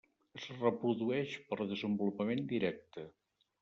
Es reprodueix per desenvolupament directe.